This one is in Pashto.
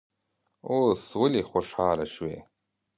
اوس ولې خوشاله شوې.